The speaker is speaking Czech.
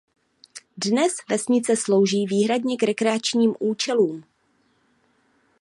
Dnes vesnice slouží výhradně k rekreačním účelům.